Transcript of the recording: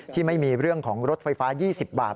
ที่ไม่มีเรื่องของรถไฟฟ้า๒๐บาท